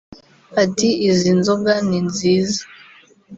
Ati “Izi nzoga ni nziza